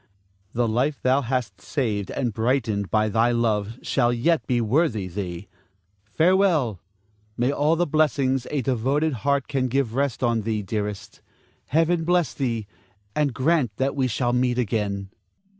The life thou hast saved and brightened by thy love shall yet be worthy thee. Farewell! May all the blessings a devoted heart can give rest on thee, dearest. Heaven bless thee, and grant that we shall meet again.